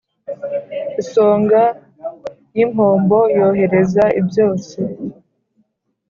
Isonga y'impombo yohereza ibyotsi